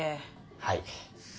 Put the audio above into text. はい。